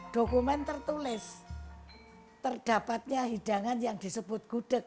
dokumen tertulis terdapatnya hidangan yang disebut gudeg